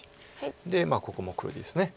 でここも黒地です。